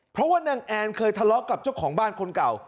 เพราะว่านางแอนเคยทะเลาะกับเจ้าของบ้านคนเก่า